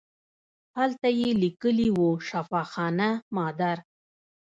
هلته یې لیکلي وو شفاخانه مادر.